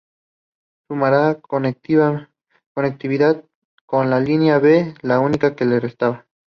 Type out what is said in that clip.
Sumará conectividad con la Línea B, la única que le restaba.